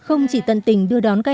không chỉ tận tình đưa đón các em